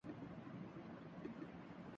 دیگر اصول بھی وہی ہیں۔